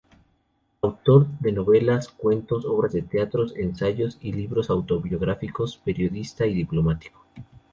Autor de novelas, cuentos, obras de teatro, ensayos y libros autobiográficos, periodista y diplomático.